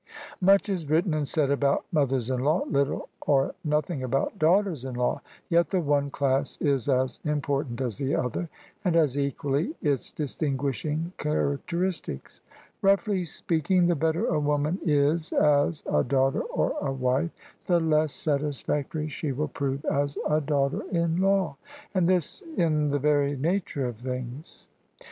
Much is written and said about mothers in law: little or nothing about daughters in law: yet the one class is as important as the other, and has equally its distinguishing characteristics. Roughly speaking, the better a woman is as [ 170] OF ISABEL CARNABY a daughter or a wife, the less satisfactory she will prove as a daughter in law: and this in the very nature of things.